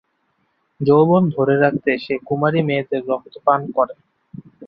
যৌবন ধরে রাখতে সে কুমারী মেয়েদের রক্ত পান করে।